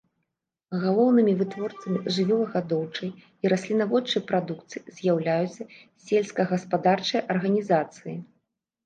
Галоўнымі вытворцамі жывёлагадоўчай і раслінаводчай прадукцыі з'яўляюцца сельскагаспадарчыя арганізацыі.